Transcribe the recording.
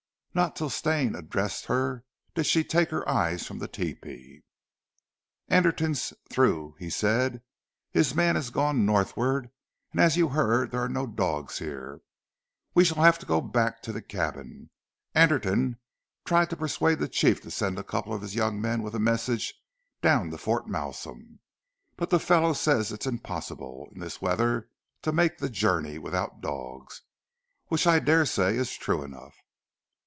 Not till Stane addressed her did she take her eyes from the tepee. "Anderton's through," he said. "His man has gone northward; and as you heard there are no dogs here. We shall have to go back to the cabin. Anderton tried to persuade the chief to send a couple of his young men with a message down to Fort Malsun, but the fellow says it is impossible in this weather to make the journey without dogs, which I dare say is true enough."